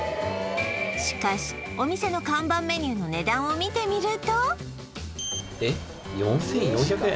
しかしお店の看板メニューの値段を見てみるとえっ４４００円！？